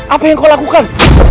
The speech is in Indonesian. apa yang kau lakukan